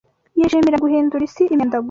Yishimira guhindura isi imyanda gusa